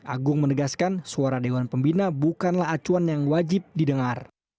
agung menegaskan suara dewan pembina bukanlah acuan yang wajib didengar